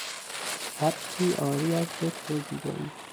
سبکی عاری از لطف و زیبایی